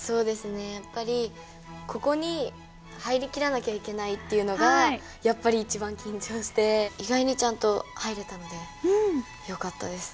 やっぱりここに入りきらなきゃいけないっていうのがやっぱり一番緊張して意外にちゃんと入れたのでよかったです。